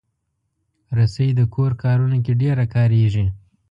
رسۍ د کور کارونو کې ډېره کارېږي.